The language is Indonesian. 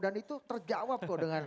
dan itu terjawab dengan faktanya